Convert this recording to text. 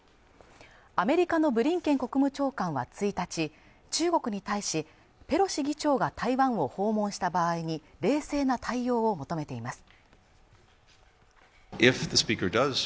アメリカのブリンケン国務長官は１日中国に対しペロシ議長が台湾を訪問した場合に冷静な対応を求めています